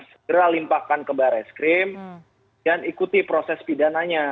segera limpahkan ke barreskrim dan ikuti proses pidananya